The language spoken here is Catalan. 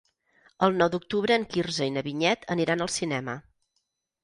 El nou d'octubre en Quirze i na Vinyet aniran al cinema.